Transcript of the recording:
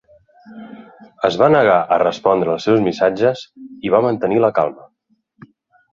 Es va negar a respondre als seus missatges i va mantenir la calma.